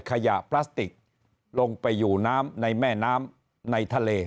พลาสติกลงไปอยู่น้ำในแม่น้ำในทะเล